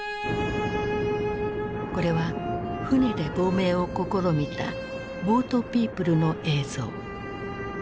これは船で亡命を試みた「ボートピープル」の映像。